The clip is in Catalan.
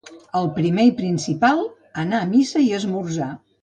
El primer i principal, anar a missa i esmorzar.